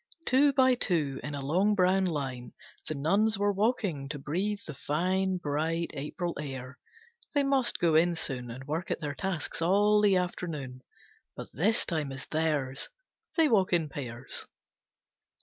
Two by two, in a long brown line, The nuns were walking to breathe the fine Bright April air. They must go in soon And work at their tasks all the afternoon. But this time is theirs! They walk in pairs.